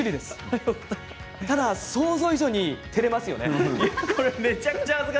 ただ想像以上にてれますよね。